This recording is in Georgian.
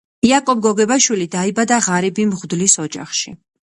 იაკობ გოგებაშვილი დაიბადა ღარიბი მღვდლის ოჯახში.